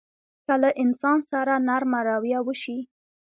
که له انسان سره نرمه رويه وشي.